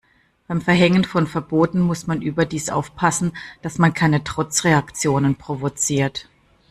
Beim Verhängen von Verboten muss man überdies aufpassen, dass man keine Trotzreaktionen provoziert.